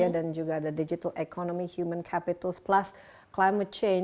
dan juga ada digital economy human capital plus climate change